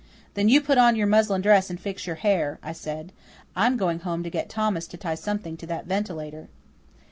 "Then you put on your muslin dress and fix your hair," I said. "I'm going home to get Thomas to tie something to that ventilator."